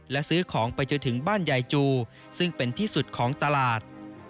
และซื้อของไปจนถึงบ้านยายจูซึ่งเป็นที่สุดของตลาด